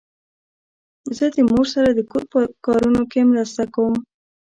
زه د مور سره د کور په کارونو کې مرسته کوم.